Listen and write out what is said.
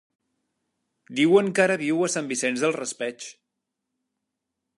Diuen que ara viu a Sant Vicent del Raspeig.